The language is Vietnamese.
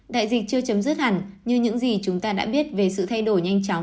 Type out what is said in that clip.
đại dịch chưa chấm dứt hẳn như những gì chúng ta đã biết về sự thay đổi nhanh chóng